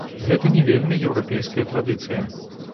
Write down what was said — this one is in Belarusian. Гэта не вельмі еўрапейская традыцыя.